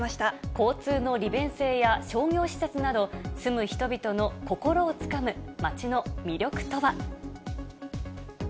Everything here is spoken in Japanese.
交通の利便性や商業施設など、住む人々の心をつかむ街の魅力とは。